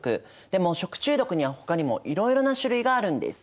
でも食中毒にはほかにもいろいろな種類があるんです。